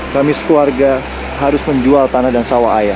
kami sekeluarga harus menjual tanah dan sawah ayah